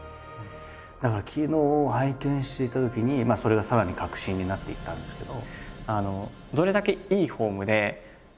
だから昨日拝見していたときにそれがさらに確信になっていったんですけど。